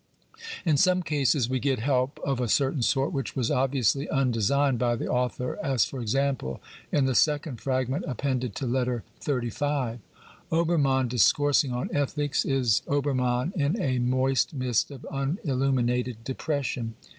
In some cases we get help of a certain sort, which was obviously undesigned by the author, as, for example, in the second fragment appended to Letter XXXV. Obcrfuann discoursing on ethics is xxxli BIOGRAPHICAL AND Obermann in a moist mist of unilluminated depression.